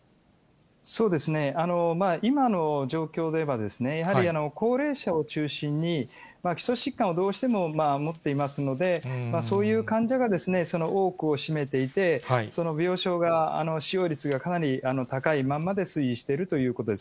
そうですね、今の状況でいえば、やはり高齢者を中心に基礎疾患をどうしても持っていますので、そういう患者が多くを占めていて、病床が、使用率がかなり高いまんまで推移しているということです。